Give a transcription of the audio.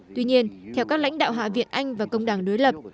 tuy nhiên theo các lãnh đạo hạ viện anh và công đảng đối lập